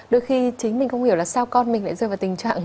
đôi khi chính mình không hiểu là sao con mình lại rơi vào tình trạng